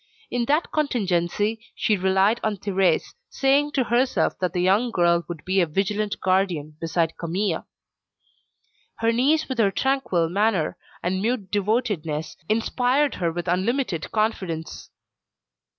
In that contingency, she relied on Thérèse, saying to herself that the young girl would be a vigilant guardian beside Camille. Her niece with her tranquil manner, and mute devotedness, inspired her with unlimited confidence.